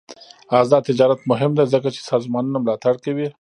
آزاد تجارت مهم دی ځکه چې سازمانونه ملاتړ کوي.